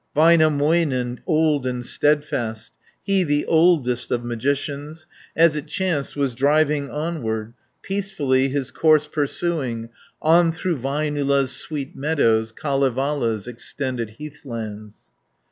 Väinämöinen, old and steadfast, He, the oldest of magicians, As it chanced was driving onward, Peacefully his course pursuing On through Väinölä's sweet meadows, Kalevala's extended heathlands.